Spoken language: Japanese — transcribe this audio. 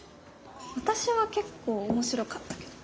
私は結構面白かったけど。